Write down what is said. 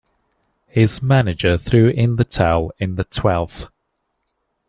His manager threw in the towel in the twelfth.